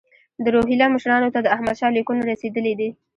د روهیله مشرانو ته د احمدشاه لیکونه رسېدلي دي.